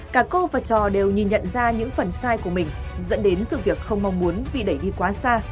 cả cô và trò đều nhìn nhận ra những phần sai của mình dẫn đến sự việc không mong muốn vì đẩy đi quá xa